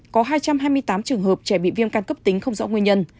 có hai trăm hai mươi tám trường hợp trẻ bị viêm can cấp tính không rõ nguyên nhân